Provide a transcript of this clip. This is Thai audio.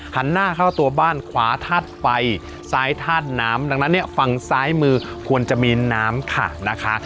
หันหน้าเข้าตัวบ้านขวาธาตุไฟซ้ายธาตุน้ำดังนั้นเนี่ยฝั่งซ้ายมือควรจะมีน้ำขาดนะคะ